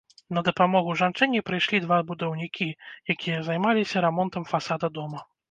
На дапамогу жанчыне прыйшлі два будаўнікі, якія займаліся рамонтам фасада дома.